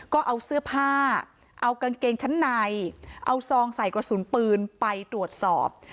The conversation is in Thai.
ก็เอาเสื้อผ้าเอากางเกงชั้นในเอาซองใส่กระสุนปืนไปตรวจสอบ